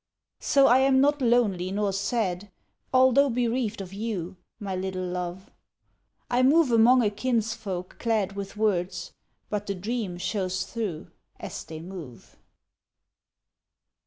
So I am not lonely nor sad Although bereaved of you, My little love. I move among a kinsfolk clad With words, but the dream shows through As they move.